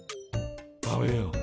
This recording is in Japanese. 食べようか。